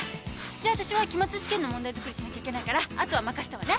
じゃあわたしは期末試験の問題作りしなきゃいけないから後は任せたわね。